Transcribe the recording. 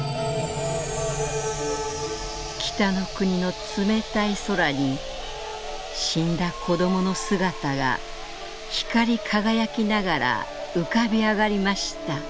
北の国の冷たい空に死んだ子どもの姿が光輝きながら浮かび上がりました」。